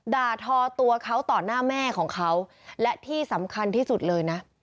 ทอตัวเขาต่อหน้าแม่ของเขาและที่สำคัญที่สุดเลยนะ